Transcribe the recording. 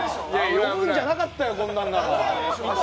呼ぶんじゃなかったよ、こんなんなら。